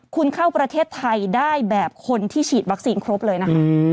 คุณเข้าประเทศไทยได้แบบคนที่ฉีดวัคซีนครบเลยนะคะ